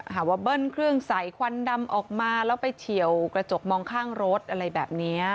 หาว่าเบิ้ลเครื่องใส่ควันดำออกมาแล้วไปเฉียวกระจกมองข้างรถอะไรแบบนี้